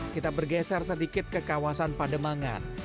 kita bergeser sedikit ke kawasan pademangan